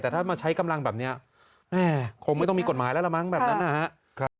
แต่ถ้ามาใช้กำลังแบบนี้คงไม่ต้องมีกฎหมายแล้วละมั้งแบบนั้นนะครับ